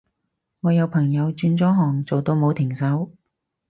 我有朋友轉咗行做到冇停手